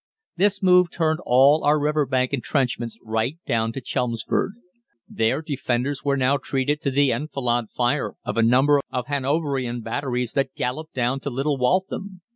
This move turned all our river bank entrenchments right down to Chelmsford. Their defenders were now treated to the enfilade fire of a number of Hanoverian batteries that galloped down to Little Waltham.